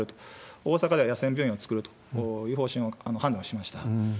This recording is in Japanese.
大阪では野戦病院を作るという方針を判断をしました。